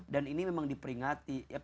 dan ini memang diperingati